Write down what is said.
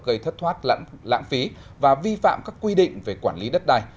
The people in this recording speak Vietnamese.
gây thất thoát lãng phí và vi phạm các quy định về quản lý đất đai